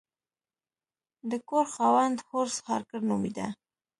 د کور خاوند هورس هارکر نومیده.